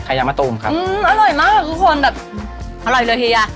ยามะตูมครับอืมอร่อยมากทุกคนแบบอร่อยเลยเฮีย